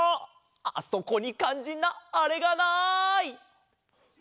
あそこにかんじんなあれがない！